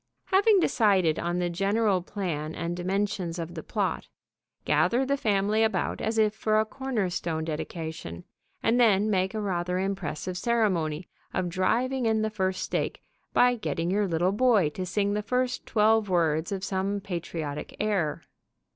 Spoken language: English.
Having decided on the general plan and dimensions of the plot, gather the family about as if for a corner stone dedication, and then make a rather impressive ceremony of driving in the first stake by getting your little boy to sing the first twelve words of some patriotic air.